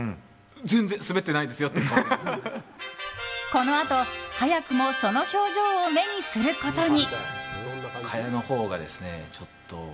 このあと、早くもその表情を目にすることに。